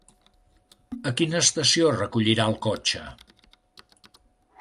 A quina estació recollirà el cotxe?